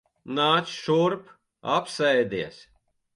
Nāc šurp. Apsēdies.